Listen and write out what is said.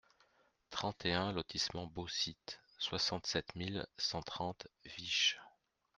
trente et un lotissement Beau-Site, soixante-sept mille cent trente Wisches